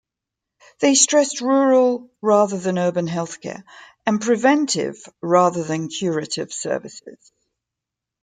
They stressed rural rather than urban healthcare, and preventive rather than curative services.